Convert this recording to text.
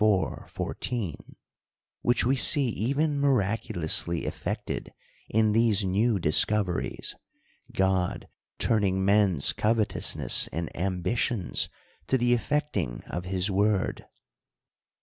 14) ; which we see even mirac ulously effected in these new discoveries, God turning men's covetousness and ambitions to the effecting of his word.